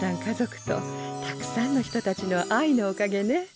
家族とたくさんの人たちの愛のおかげね。